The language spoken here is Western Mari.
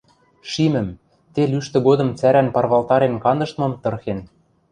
шимӹм, тел ӱштӹ годым цӓрӓн парвалтарен кандыштмым тырхен.